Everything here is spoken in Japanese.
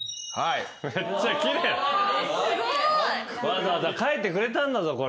わざわざ書いてくれたんだぞ。